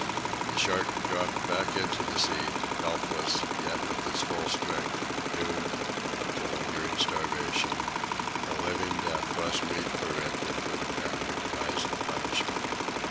The shark dropped back into the sea, helpless, yet with its full strength, doomed—to lingering starvation—a living death less meet for it than for the man who devised the punishment.